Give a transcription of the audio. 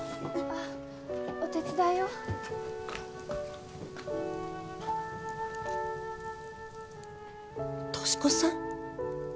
ッお手伝いを俊子さん？